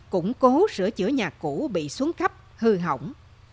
củng cố sửa chữa nhà cũ bị xuống cấp hư hỏng